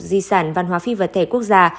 di sản văn hóa phi vật thể quốc gia